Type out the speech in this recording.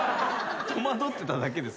戸惑ってただけです。